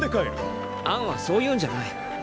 アンはそういうんじゃない。